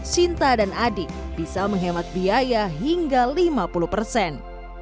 sinta dan adi bisa menghemat biaya hingga lima puluh persen